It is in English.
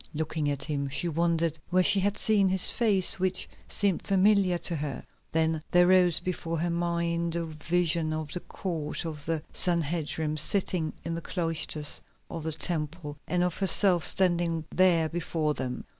Looking at him she wondered where she had seen his face, which seemed familiar to her. Then there rose before her mind a vision of the Court of the Sanhedrim sitting in the cloisters of the Temple, and of herself standing there before them.